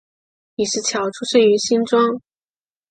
李石樵出生于新庄